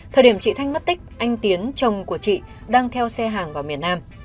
thời điểm chị thanh mất tích anh tiến chồng của chị đang theo xe hàng vào miền nam